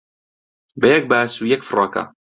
بە یەک باس و یەک فڕۆکە